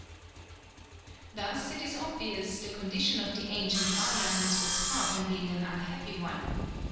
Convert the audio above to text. Thus it is obvious the condition of the ancient Mayans was far from being an unhappy one.